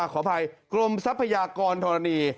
ขออภัยกรมทรัพยากรธรณี